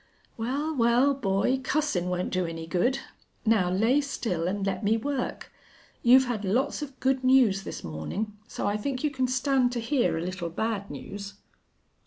"Well, well, boy, cussin' won't do any good. Now lay still an' let me work. You've had lots of good news this mornin'. So I think you can stand to hear a little bad news."